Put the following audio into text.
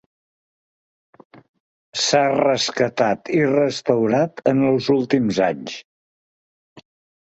S'ha rescatat i restaurat en els últims anys.